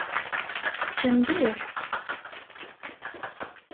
Tečča mliḥ.